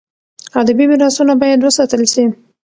. ادبي میراثونه باید وساتل سي.